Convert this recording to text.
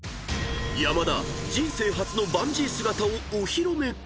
［山田人生初のバンジー姿をお披露目か？］